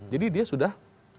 jadi dia sudah